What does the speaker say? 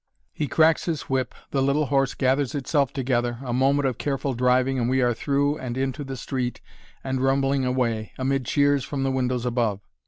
He cracks his whip, the little horse gathers itself together a moment of careful driving and we are through and into the street and rumbling away, amid cheers from the windows above.